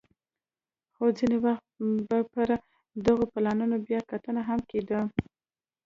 خو ځیني وخت به پر دغو پلانونو بیا کتنه هم کېده